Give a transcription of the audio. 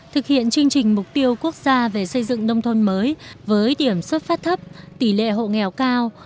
thực hiện chương trình mục tiêu quốc gia về xây dựng nông thôn mới với điểm xuất phát thấp tỷ lệ hộ nghèo cao